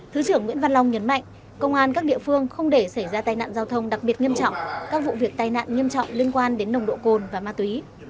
thứ trưởng nguyễn văn long nhấn mạnh công an các địa phương không để xảy ra tai nạn giao thông đặc biệt nghiêm trọng các vụ việc tai nạn nghiêm trọng liên quan đến nồng độ cồn và ma túy